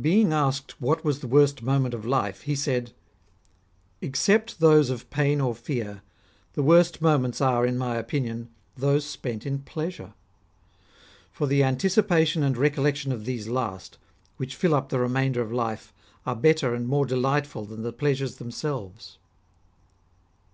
Being asked what was the worst moment of life, he said :" Except those of pain or fear, the worst moments are, in my opinion, those spent in pleasure. Eor the anticipation and recollection of these last, which fill up the remainder of life, are better and more delightful than the pleasures themselves."